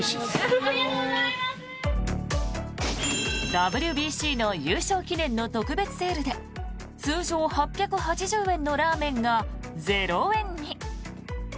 ＷＢＣの優勝記念の特別セールで通常８８０円のラーメンが０円に。